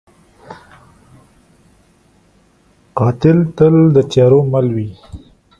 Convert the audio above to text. قاتل تل د تیارو مل وي